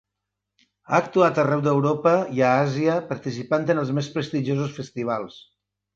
Ha actuat arreu d'Europa i a Àsia, participant en els més prestigiosos Festivals.